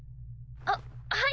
あっはい。